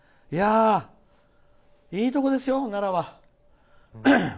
いいところですよ、奈良は。